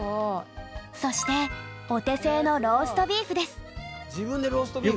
そしてお手製の自分でローストビーフ。